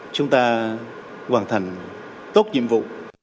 chúng ta hoàn thành tốt nhiệm vụ